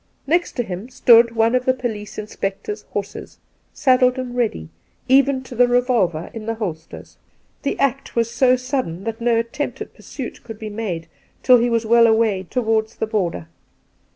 ¥ext to him stood one of the police inspector's horses, saddled and ready, even to the revolver in the holsters. The act was so sudden that no attempt at pursuit could be made till he was well away towards the border.